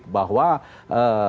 untuk ditunjukkan kepada publik